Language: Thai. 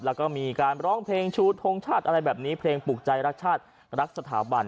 แล้วก็มีการร้องเพลงชูทงชาติอะไรแบบนี้เพลงปลูกใจรักชาติรักสถาบัน